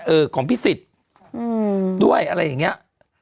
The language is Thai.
ของพิสิทธิ์ด้วยอะไรอย่างนี้